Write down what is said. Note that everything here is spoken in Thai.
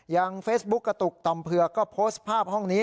เฟซบุ๊กกระตุกต่อมเผือกก็โพสต์ภาพห้องนี้